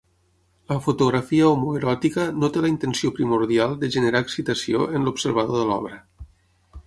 La fotografia homoeròtica no té la intenció primordial de generar excitació en l'observador de l'obra.